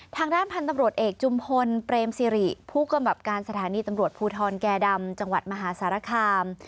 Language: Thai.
ทางด้านพันธุ์ตำรวจเอกจุมพลเปรมสิริผู้กำกับการสถานีตำรวจภูทรแก่ดำจังหวัดมหาสารคาม